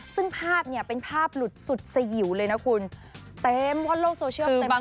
ซึ่งภาพเนี่ยเป็นภาพหลุดสุดสยิวเลยนะคุณเต็มเพราะโลกโซเชียลเต็ม